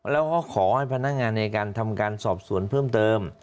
แล้วก็ขอให้พนักงานในการทำการสอบสวนเพิ่มเติม